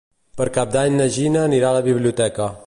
Per Cap d'Any na Gina anirà a la biblioteca.